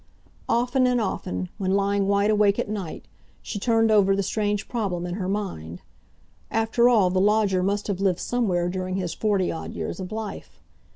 Often and often, when lying wide awake at night, she turned over the strange problem in her mind. After all, the lodger must have lived somewhere during his forty odd years of life.